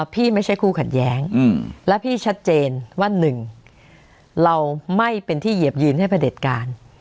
ไม่ใช่คู่ขัดแย้งและพี่ชัดเจนว่า๑เราไม่เป็นที่เหยียบยืนให้ประเด็จการ